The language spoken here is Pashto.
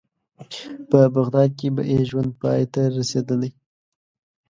په بغداد کې به یې ژوند پای ته رسېدلی.